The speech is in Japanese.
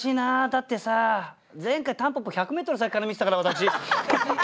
だってさ前回たんぽぽ１００メートル先から見てたから私。